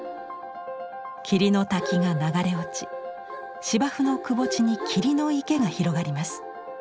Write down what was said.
霧の滝が流れ落ち芝生のくぼ地に霧の池が広がります。